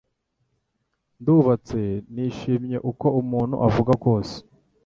Ndubatse nishimye, uko umuntu avuga kose.